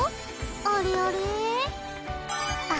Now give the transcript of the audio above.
あれあれ？